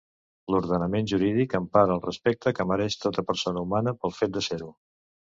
L'ordenament jurídic empara el respecte que mereix tota persona humana pel fet de ser-ho.